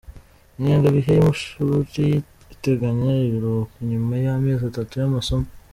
Ingengabihe y’amashuri iteganya ibiruhuko nyuma y’amezi atatu y’amasomo.